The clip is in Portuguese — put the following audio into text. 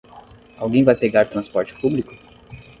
Alguém vai pegar transporte público?